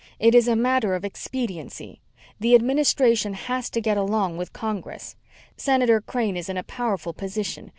It's a matter of expediency. The Administration has to get along with Congress. Senator Crane is in a powerful position.